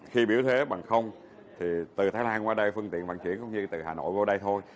khi biểu thế bằng không từ thái lan qua đây phương tiện bằng chuyển cũng như từ hà nội vô đây thôi